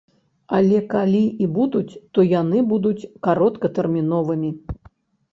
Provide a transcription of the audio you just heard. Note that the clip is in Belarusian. Але калі і будуць, то яны будуць кароткатэрміновымі.